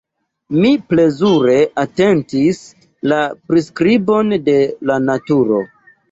Mi plezure atentis la priskribon de la naturo.